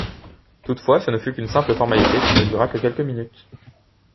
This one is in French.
Toutefois, ce ne fut qu'une simple formalité qui ne dura que quelques minutes.